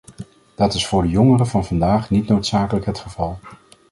Dat is voor de jongeren van vandaag niet noodzakelijk het geval.